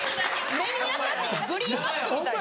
目に優しいグリーンバックみたいな。